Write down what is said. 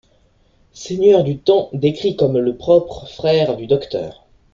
Seigneur du Temps, décrit comme le propre frère du Docteur.